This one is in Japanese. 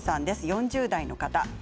４０代の方です。